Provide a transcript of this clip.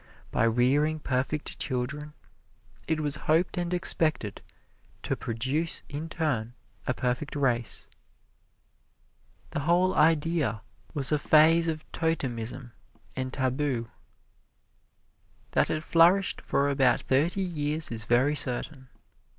By rearing perfect children, it was hoped and expected to produce in turn a perfect race. The whole idea was a phase of totemism and tabu. That it flourished for about thirty years is very certain.